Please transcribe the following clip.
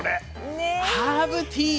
ハーブティー。